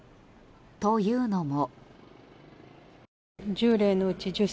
というのも。